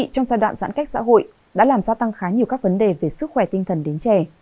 trong giai đoạn giãn cách xã hội đã làm gia tăng khá nhiều các vấn đề về sức khỏe tinh thần đến trẻ